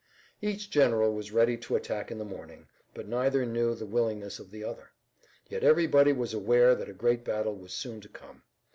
Each general was ready to attack in the morning, but neither knew the willingness of the other. Yet everybody was aware that a great battle was soon to come.